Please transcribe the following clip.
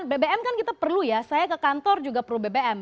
bbm kan kita perlu ya saya ke kantor juga perlu bbm